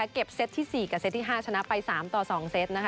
เก็บเซตที่๔กับเซตที่๕ชนะไป๓ต่อ๒เซต